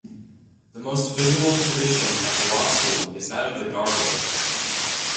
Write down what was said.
The most visible tradition at the law school is that of the Gargoyle.